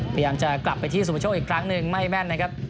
ปริยังจะกลับไปที่ซุบาโชคอีกครั้งนึงไม่แม่นนะครับ